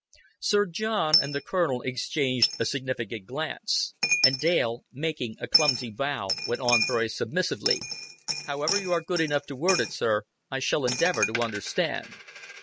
Sir John and the Colonel exchanged a significant glance; and Dale, making a clumsy bow, went on very submissively. "However you are good enough to word it, sir, I shall endeavor to understand."